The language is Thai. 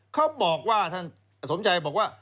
เขาบอกว่าท่านสมชัยบอกว่า